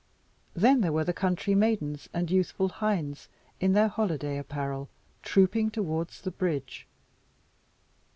Then there were country maidens and youthful hinds in their holiday apparel, trooping towards the bridge.